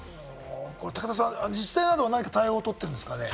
武田さん、自治体などは何か対応をとってるんですかね？